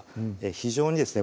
非常にですね